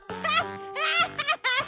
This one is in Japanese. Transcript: アハハハ！